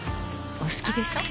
お好きでしょ。